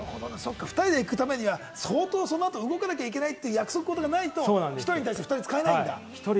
２人で行くためには相当、その後、動かなきゃいけないという約束事がないと、１人に対して２人は使えないんだ。